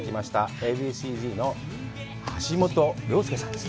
Ａ．Ｂ．Ｃ−Ｚの橋本良亮さんです。